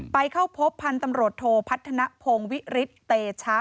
ไปเข้าพบพันธุ์ตำรวจโทพัฒนภงวิฤทธิเตชะ